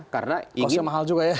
kosnya mahal juga ya